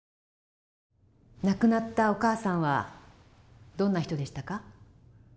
亡くなったお母さんはどんな人でしたか？